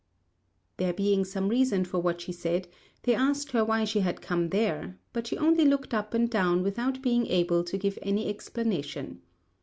There being some reason for what she said, they asked her why she had come there; but she only looked up and down without being able to give any explanation.